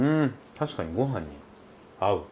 確かにご飯に合う！